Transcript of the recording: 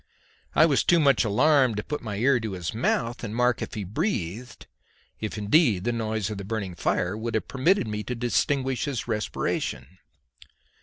I was too much alarmed to put my ear to his mouth to mark if he breathed, if indeed the noise of the burning fire would have permitted me to distinguish his respiration.